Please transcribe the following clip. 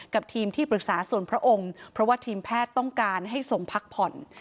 กับทีมที่ปรึกษาส่วนพระองค์เพราะว่าทีมแพทย์ต้องการให้ส่งพักผ่อน